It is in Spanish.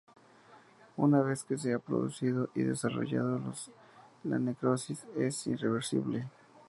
Una vez que se ha producido y desarrollado, la necrosis es irreversible.